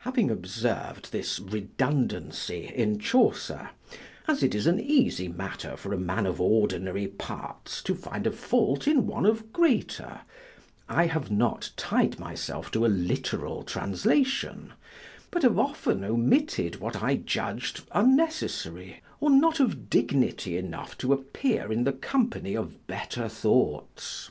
Having observ'd this redundancy in Chaucer, (as it is an easy matter for a man of ordinary parts to find a fault in one of greater,) I have not tied myself to a literal translation; but have often omitted what I judg'd unnecessary, or not of dignity enough to appear in the company of better thoughts.